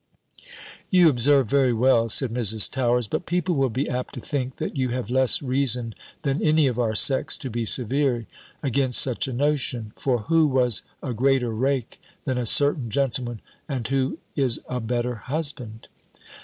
"You observe, very well," said Mrs. Towers: "but people will be apt to think, that you have less reason than any of our sex, to be severe against such a notion: for who was a greater rake than a certain gentleman, and who is a better husband?"